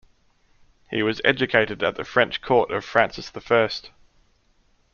He was educated at the French court of Francis I.